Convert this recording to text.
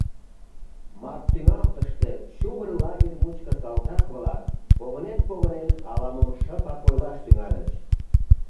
Март тӱҥалтыште чумыр лагерь мучко салтак-влак, погынен-погынен, ала-мом шыпак ойлаш тӱҥальыч.